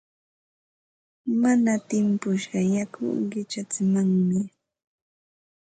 Mana timpushqa yaku qichatsimanmi.